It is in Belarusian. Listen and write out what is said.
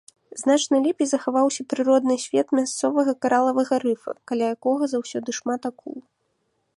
Значна лепей захаваўся прыродны свет мясцовага каралавага рыфа, каля якога заўсёды шмат акул.